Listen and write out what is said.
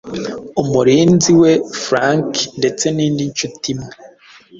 umurinzi we Frank ndetse n’indi nshuti imwe